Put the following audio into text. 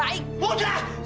satu yang aku denger lagi